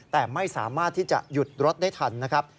แต่ไม่สามารถที่จะหยุดรถได้ทันนะครับ